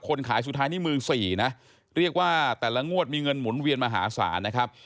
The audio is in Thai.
ขายสุดท้ายนี่มือสี่นะเรียกว่าแต่ละงวดมีเงินหมุนเวียนมหาศาลนะครับ